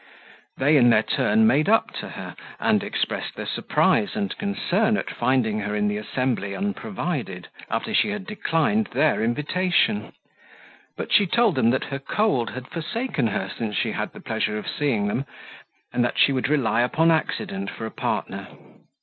They in their turn made up to her, and expressed their surprise and concern at finding her in the assembly unprovided, after she had declined their invitation; but she told them that her cold had forsaken her since she had the pleasure of seeing them, and that she would rely upon accident for a partner.